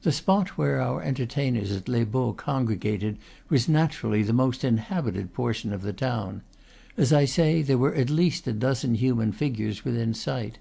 The spot where our entertainers at Les Baux congregated was naturally the most inhabited portion of the town; as I say, there were at least a dozen human figures within sight.